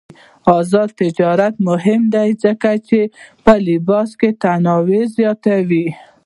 آزاد تجارت مهم دی ځکه چې د لباس تنوع زیاتوي.